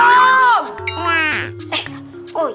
atas dulu dong